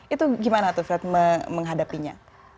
itu gimana tuh fred menghadapinya